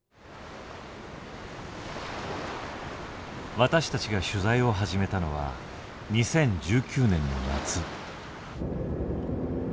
私たちが取材を始めたのは２０１９年の夏。